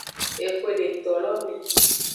Exwe detolo me.